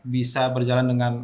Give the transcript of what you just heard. bisa berjalan dengan